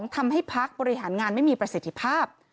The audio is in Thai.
ทำให้พักบริหารงานไม่มีประสิทธิภาพ